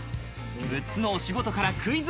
６つのお仕事からクイズ。